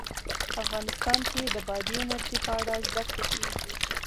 افغانستان کې د بادي انرژي په اړه زده کړه کېږي.